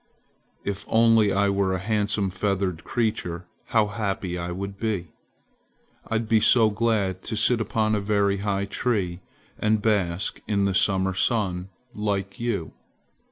If only I were a handsome feathered creature how happy I would be! I'd be so glad to sit upon a very high tree and bask in the summer sun like you!"